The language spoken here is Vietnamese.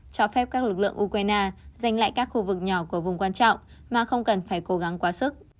cho phép các lực lượng ukraine giành lại các khu vực nhỏ của vùng quan trọng mà không cần phải cố gắng quá sức